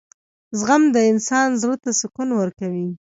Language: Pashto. • زغم د انسان زړۀ ته سکون ورکوي.